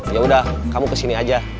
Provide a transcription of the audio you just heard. yaudah kamu kesini aja